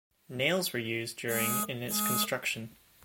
Nails were used during in its construction.